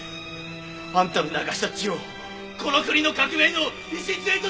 あんたの流した血をこの国の革命の礎とするために！